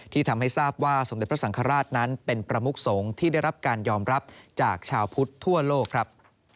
ทำให้ทราบว่าสมเด็จพระสังฆราชนั้นเป็นประมุกสงฆ์ที่ได้รับการยอมรับจากชาวพุทธทั่วโลกครับ